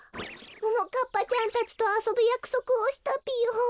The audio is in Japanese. ももかっぱちゃんたちとあそぶやくそくをしたぴよ。